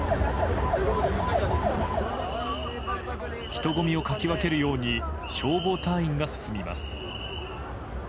人混みをかき分けるように消防隊員が進みます。